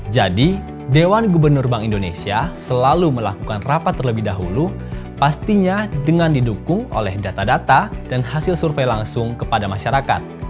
jadi dewan gubernur bank indonesia selalu melakukan rapat terlebih dahulu pastinya dengan didukung oleh data data dan hasil survei langsung kepada masyarakat